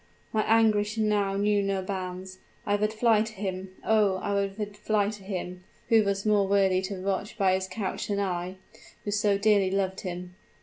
My anguish now knew no bounds. I would fly to him oh! I would fly to him: who was more worthy to watch by his couch than I, who so dearly loved him!